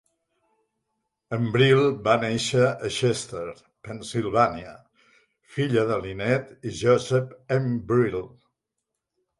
En Brill va néixer a Chester, Pennsilvània, filla de Linette i Joseph M. Brill.